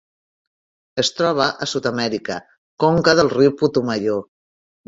Es troba a Sud-amèrica: conca del riu Putumayo.